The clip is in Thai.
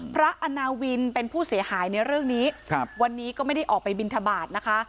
อาณาวินเป็นผู้เสียหายในเรื่องนี้ครับวันนี้ก็ไม่ได้ออกไปบินทบาทนะคะ